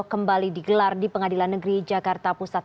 kembali digelar di pengadilan negeri jakarta pusat